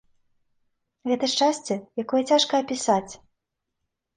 Гэта шчасце, якое цяжка апісаць.